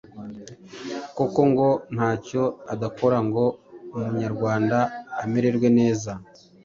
kuko ngo ntacyo adakora ngo umunyarwanda amererwe neza